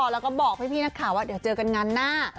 แล้วก็บอกพี่นักข่าวว่าเดี๋ยวเจอกันงานหน้า